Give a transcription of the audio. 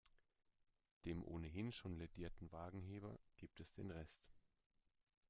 Dem ohnehin schon lädierten Wagenheber gibt es den Rest.